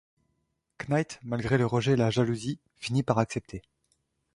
Knight, malgré le rejet et la jalousie finit par accepter.